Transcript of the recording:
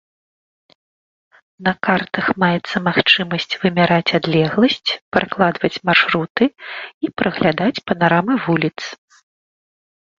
На картах маецца магчымасць вымяраць адлегласць, пракладваць маршруты і праглядаць панарамы вуліц.